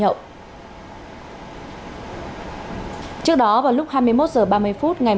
nguyên nhân ban đầu được xác định là xuất phát từ quán đàm